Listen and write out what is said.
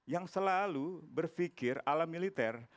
yang selalu berpikir ala militer